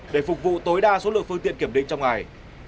để phục vụ tối đa số lượng phương tiện kiểm định trong ngày